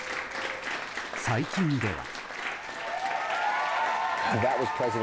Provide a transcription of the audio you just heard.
最近では。